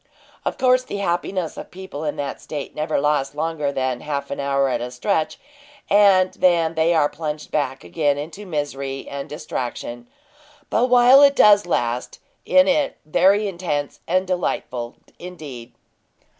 Of course the happiness of people in that state never lasts longer than half an hour at a stretch, and then they are plunged back again into misery and distraction; but while it does last, it in, very intense and delightful indeed.